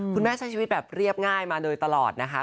คุณแม่ใช้ชีวิตแบบเรียบง่ายมาโดยตลอดนะคะ